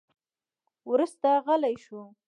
وروسته غلی شو.